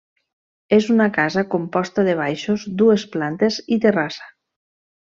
És una casa composta de baixos, dues plantes i terrassa.